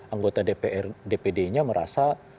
anggota dpr dpd nya merasa